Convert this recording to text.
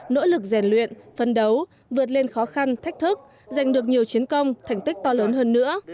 nỗ lực rèn luyện phân đấu vượt lên khó khăn thách thức giành được nhiều chiến công thành tích to lớn hơn nữa